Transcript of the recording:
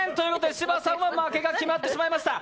芝さんは負けが決まってしまいました。